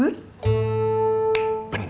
mungkin dia bisa terhibur